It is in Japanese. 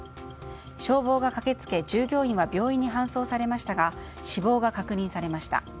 消防が駆け付け、従業員は病院に搬送されましたが死亡が確認されました。